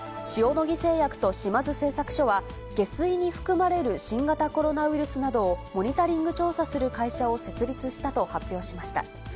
塩野義製薬と島津製作所は下水に含まれる新型コロナウイルスなどをモニタリング調査をする会社を設立したと発表しました。